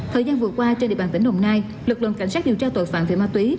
thời gian vừa qua trên địa bàn tỉnh đồng nai lực lượng cảnh sát điều tra tội phạm về ma túy